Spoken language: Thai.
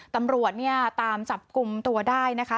ตำรวจเนี่ยตามจับกลุ่มตัวได้นะคะ